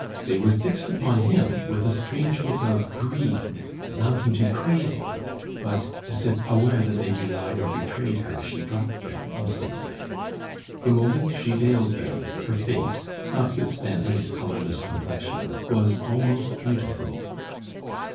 They were fixed upon him with a strange look of greed, amounting to craving, but, as if aware that they belied or betrayed her, she dropped them instantly. The moment she veiled them, her face, notwithstanding its colourless complexion, was almost beautiful.